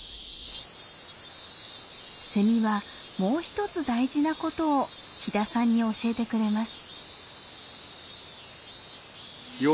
セミはもう一つ大事なことを飛田さんに教えてくれます。